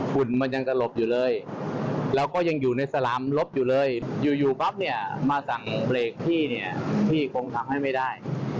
ฝุ่นมันยังจะหลบอยู่เลยแล้วก็ยังอยู่ในสลามลบอยู่เลยอยู่ปั๊บเนี่ยมาสั่งเบรกพี่เนี่ยพี่คงทำให้ไม่ได้